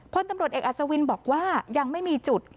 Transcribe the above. พลตำรวจเอกอัศวินบอกว่ายังไม่มีจุด